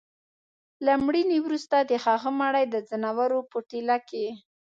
له مړيني وروسته د هغه مړى د ځناورو په ټېله کي